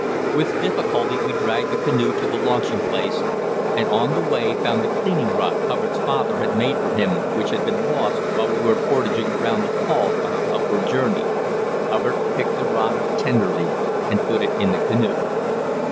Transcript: With difficulty we dragged the canoe to the launching place, and on the way found the cleaning rod Hubbard's father had made for him, which had been lost while we were portaging around the fall on our upward journey. Hubbard picked the rod up tenderly and put it in the canoe.